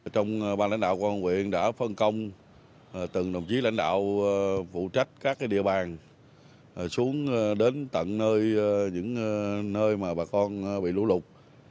trong ban lãnh đạo công an quyện đã phân công từng đồng chí lãnh đạo vụ trách các địa bàn xuống đến tận nơi những nơi mà bà con bị lũ lụt